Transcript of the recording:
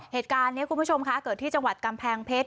เหตุการณ์นี้คุณผู้ชมคะเกิดที่จังหวัดกำแพงเพชร